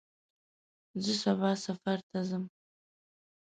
زه سبا سفر ته ځم.